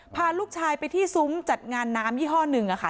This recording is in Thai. พาลูกชายไปที่ซุ้มจัดงานน้ำยี่ห้อหนึ่งค่ะ